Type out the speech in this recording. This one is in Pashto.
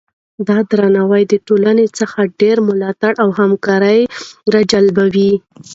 دا درناوی د ټولنې څخه ډیر ملاتړ او همکاري راجلبوي.